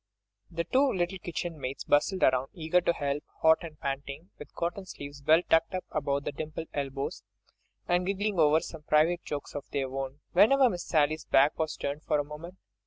The two little kitchen maids bustled around, eager to help, hot and panting, with cotton sleeves well tucked up above the dimpled elbows, and giggling over some private jokes of their own, whenever Miss Sally's back was turned for a moment.